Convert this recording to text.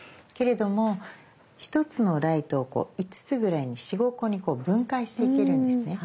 けれども一つのライトを５つぐらいに４５個に分解していけるんですね。